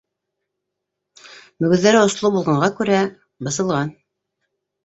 Мөгөҙҙәре осло булғанға күрә бысылған...